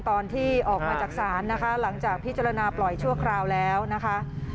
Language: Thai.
ตอนที่ออกมาจากศาลนะคะหลังจากพิจารณาปล่อยชั่วคราวแล้วนะคะ